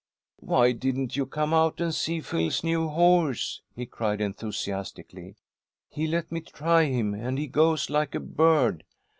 "Why didn't you come out and see Phil's new horse?" he cried, enthusiastically. "He let me try him, and he goes like a bird.